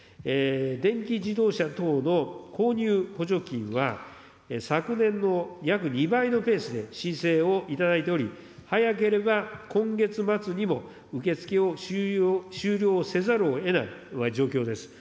電気自動車等の購入補助金は、昨年の約２倍のペースで申請を頂いており、早ければ今月末にも受付を終了せざるをえない状況です。